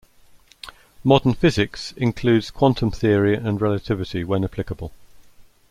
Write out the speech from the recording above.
Modern physics includes quantum theory and relativity, when applicable.